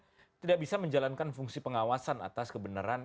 di mana dpr tidak bisa menjalankan fungsi pengawasan atas kebenaran